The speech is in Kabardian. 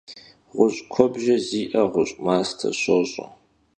Ğuş' kuebjje zi'e ğuş' maste şoş'e.